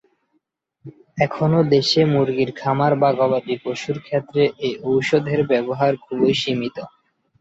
এখনও দেশে মুরগির খামার বা গবাদি পশুর ক্ষেত্রে এ ঔষধের ব্যবহার খুবই সীমিত।